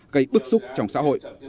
gây bức xúc trong xã hội